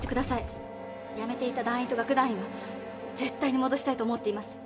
やめていった団員と楽団員は絶対に戻したいと思っています。